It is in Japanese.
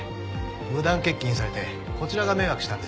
無断欠勤されてこちらが迷惑したんですよ。